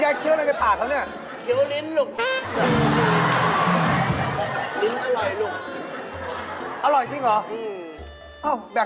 ยายสวัสดีครับยายสวัสดีจ๊ะลูกอืมสวัสดีครับยาย